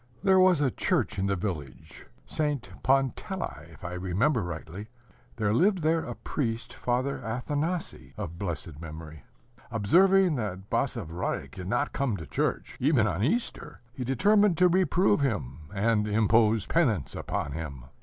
There was a church in the village, St. Pantelei, if I remember rightly. There lived there a priest, Father Athanasii of blessed memory. Observing that Basavriuk did not come to church, even on Easter, he determined to reprove him, and impose penance upon him.